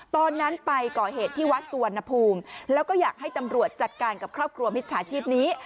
ตอนนั้นไปก่อเหตุที่วัดสุวรรณภูมิแล้วก็อยากให้ตำรวจจัดการกับครอบครัวมิจฉาชีพนี้